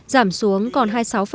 giảm xuống còn hai mươi sáu hai mươi hai